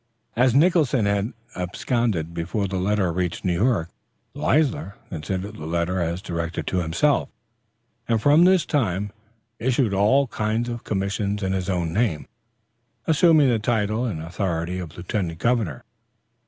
As Nicholson had absconded before the letter reached New York, Leisler considered the letter as directed to himself, and from this time issued all kinds of commissions in his own name, assuming the title and authority of lieutenant governor.